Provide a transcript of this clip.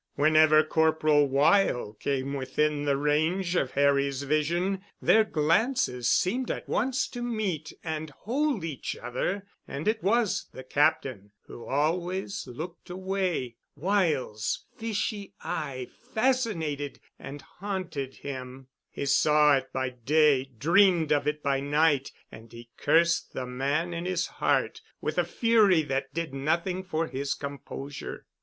Whenever Corporal Weyl came within the range of Harry's vision, their glances seemed at once to meet and hold each other and it was the Captain who always looked away. Weyl's fishy eye fascinated and haunted him. He saw it by day, dreamed of it by night, and he cursed the man in his heart with a fury that did nothing for his composure.